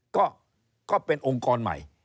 ก็เป็นองค์กรใหม่